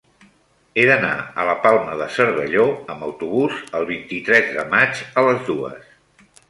He d'anar a la Palma de Cervelló amb autobús el vint-i-tres de maig a les dues.